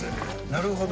なるほど。